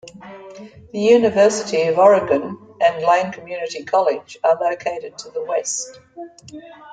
The University of Oregon and Lane Community College are located to the west.